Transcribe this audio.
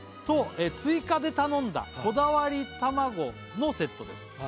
「と追加で頼んだこだわり卵のセットです」